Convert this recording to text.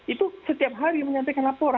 itu setiap hari menyampaikan laporan